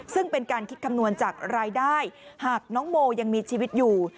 ซึ่งเป็นการคิดคำนวณจากรายได้หากน้องโมยังมีชีวิตอยู่